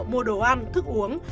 mua đồ ăn thức uống